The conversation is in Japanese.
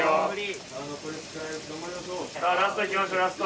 さあラストいきましょうラスト！